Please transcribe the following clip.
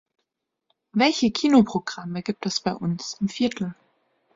Welche Kinoprogramme gibt es bei uns im Viertel?